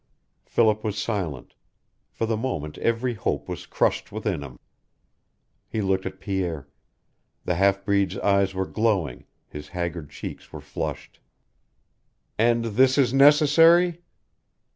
Philip was silent. For the moment every hope was crushed within him. He looked at Pierre. The half breed's eyes were glowing, his haggard cheeks were flushed. "And this is necessary?"